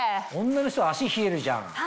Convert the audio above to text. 女の人は脚冷えるじゃん。